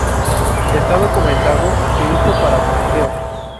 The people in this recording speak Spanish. Está documentado su uso para franqueo.